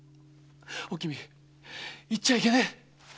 おきみ行っちゃいけねえ。